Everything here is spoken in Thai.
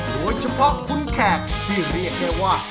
โดยเฉพาะคุณแขกที่เรียกได้ว่า